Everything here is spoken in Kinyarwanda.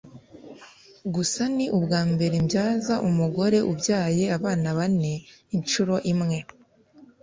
gusa ni ubwa mbere mbyaza umugore ubyaye abana bane inshuro imwe